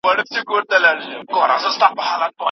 په خطي نسخو کې د لاسوهنې مخه باید ونیول سی.